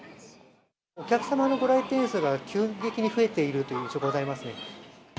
お客様のご来店数が、急激に増えているという印象はございます。